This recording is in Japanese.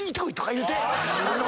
言うて。